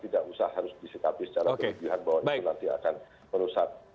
tidak usah harus disikapi secara berlebihan bahwa itu nanti akan merusak